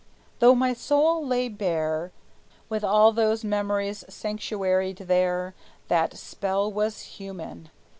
Though my soul lay bare, With all those memories sanctuaried there, That spell was human.